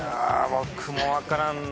僕も分からんな。